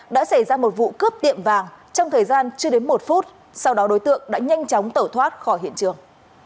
đã xảy ra một vụ cướp tiệm vàng trong thời gian chưa đến một phút sau đó đối tượng đã nhanh chóng tẩu thoát khỏi hiện trường